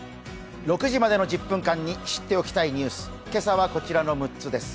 ６時までの１０分間に知っておきたいニュース、今朝はこちらの６つです。